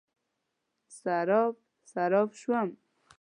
سراب، سراب شوم